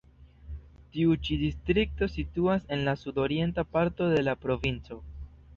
Tiu ĉi distrikto situas en la sudorienta parto de la provinco.